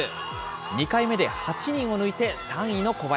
２回目で８人を抜いて３位の小林。